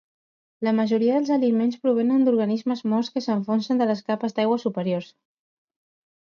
La majoria dels aliments provenen d'organismes morts que s'enfonsen de les capes d'aigua superiors.